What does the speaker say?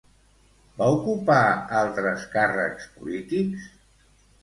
Va ocupar altres càrrecs polítics?